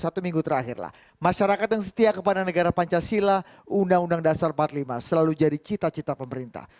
satu minggu terakhirlah masyarakat yang setia kepada negara pancasila undang undang dasar empat puluh lima selalu jadi cita cita pemerintah